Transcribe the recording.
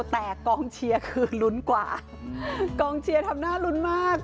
แต่กองเชียร์คือลุ้นกว่ากองเชียร์ทำหน้าลุ้นมาก